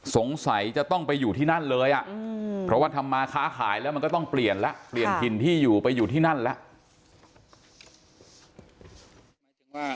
สงสัยจะต้องไปอยู่ที่นั่นเลยอ่ะเพราะว่าทำมาค้าขายแล้วมันก็ต้องเปลี่ยนแล้วเปลี่ยนถิ่นที่อยู่ไปอยู่ที่นั่นแล้ว